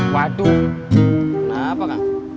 waduh kenapa kang